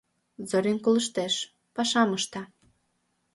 Зорин колыштеш, пашам ышта.